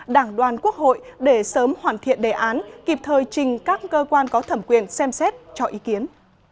đảng đoàn quốc hội để sớm hoàn thiện đề án kịp thời trình các cơ quan có thẩm quyền xem xét cho ý kiến